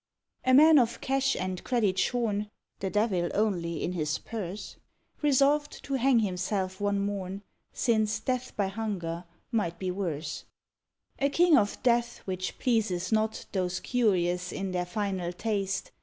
A Man of cash and credit shorn (The Devil only in his purse), Resolved to hang himself one morn, Since death by hunger might be worse: A king of death which pleases not Those curious in their final taste.